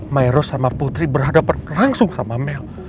miros sama putri berhadapan langsung sama mel